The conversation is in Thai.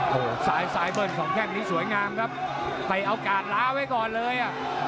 โหซ้ายเบิ้ลสองแข่งนี้สวยงามครับแต่เอากาดล้าไว้ก่อนเลย